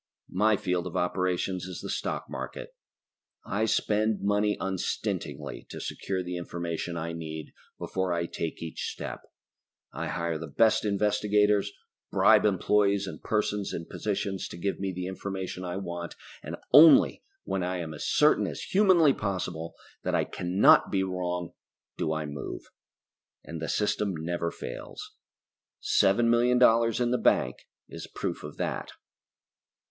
My field of operations is the stock market. I spend money unstintingly to secure the information I need before I take each step. I hire the best investigators, bribe employees and persons in position to give me the information I want, and only when I am as certain as humanly possible that I cannot be wrong do I move. And the system never fails. Seven million dollars in the bank is proof of that.